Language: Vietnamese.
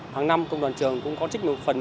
hàng năm công đoàn trường cũng có trích một phần